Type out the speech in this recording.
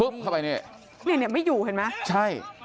มาอยู่เห็นป่ะ